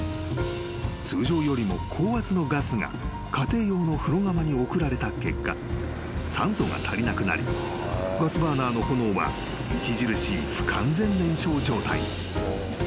［通常よりも高圧のガスが家庭用の風呂釜に送られた結果酸素が足りなくなりガスバーナーの炎は著しい不完全燃焼状態に］